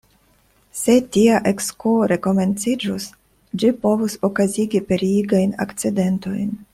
Se tia ekskuo rekomenciĝus, ĝi povus okazigi pereigajn akcidentojn.